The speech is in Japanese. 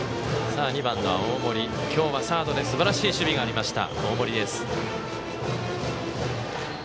２番の大森、今日はサードですばらしい守備がありました。